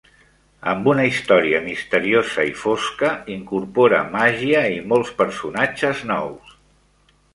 Amb una història misteriosa i fosca, incorpora màgia i molts personatges nous.